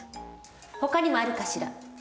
ほかにもあるかしら。